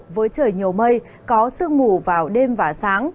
với trời nhiều mây có sương mù vào đêm và sáng